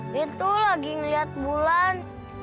ben tuh lagi ngeliat bulan